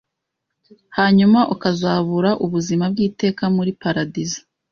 hanyuma ukazabura ubuzima bw’iteka muli paradizo.